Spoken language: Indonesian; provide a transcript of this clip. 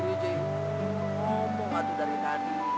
ngomong aja dari tadi